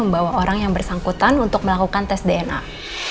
bawa sampel darah